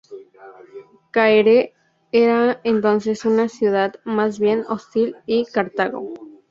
Caere era entonces una ciudad más bien hostil a Cartago.